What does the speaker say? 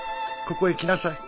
ここへ来なさい。